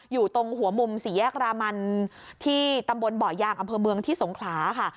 อยู่ตรงหัวมุมสี่แยกรามันที่ตำบลบ่อยางอำเภอเมืองที่สงขลาค่ะ